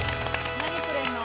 何くれんの？